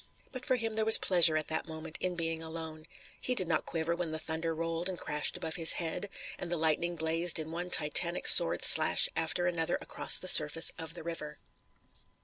But for him there was pleasure at that moment in being alone. He did not quiver when the thunder rolled and crashed above his head, and the lightning blazed in one Titanic sword slash after another across the surface of the river.